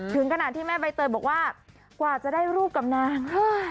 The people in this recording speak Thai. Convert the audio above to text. ถึงขนาดที่แม่ใบเตยบอกว่ากว่าจะได้รูปกับนาง